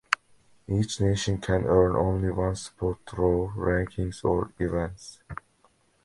Each nation can earn only one spot through rankings or events.